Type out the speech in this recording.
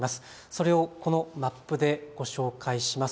それをこのマップでご紹介します。